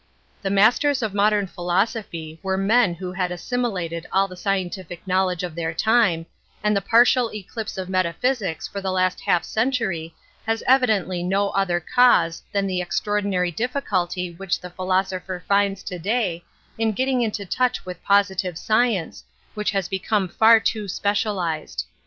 The masters of modem phili phy were men who had assimilated the scientific knowledge of their time, the partial eclipse of metaphysics for the last half century has evidently no other cause than the extraordinary difBcull which the philosopher finds to day in gel ting into touch with positive science, which has become far too specialized.